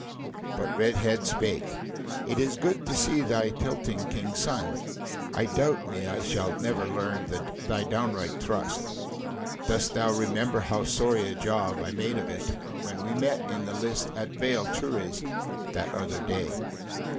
But Redhead spake: "It is good to see thee tilting, King's Son. I doubt me I shall never learn thy downright thrust. Dost thou remember how sorry a job I made of it, when we met in the lists at Vale Turris that other day?"